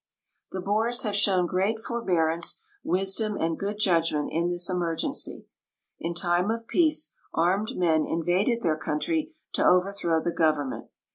The Boers have shown great forbearance, wisdom, and good judgment in this emergency. In time of peace armed men in vaded their country to overthrow the government.